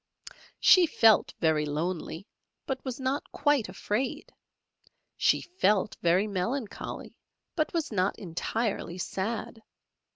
She felt very lonely, but was not quite afraid; she felt very melancholy, but was not entirely sad.